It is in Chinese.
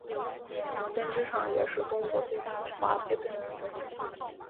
五和针织厂也是中国最大的华资针织厂。